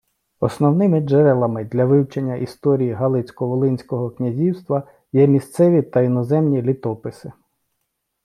Основними джерелами для вивчення історії Галицько-Волинського князівства є місцеві та іноземні літописи.